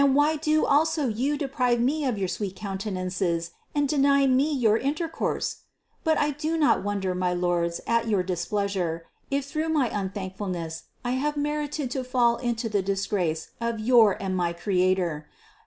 Why do also you deprive me of your sweet countenances and deny me your intercourse ? But I do not wonder, my lords, at your displeasure, if through my un thankfulness I have merited to fall into the disgrace of your and my Creator.